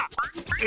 え？